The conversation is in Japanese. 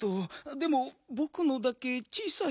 でもぼくのだけ小さい？